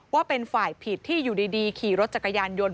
ว่าเป็นฝ่ายผิดที่อยู่ดีขี่รถจักรยานยนต์